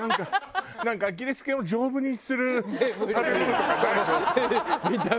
なんかアキレス腱を丈夫にする食べ物とかないの？